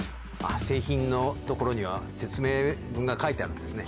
製品のところには、説明文が書いてあるんですね。